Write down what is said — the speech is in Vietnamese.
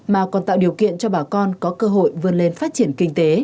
mà còn tạo điều kiện cho bà con có cơ hội vươn lên phát triển kinh tế